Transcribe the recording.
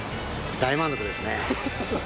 大満足ですね。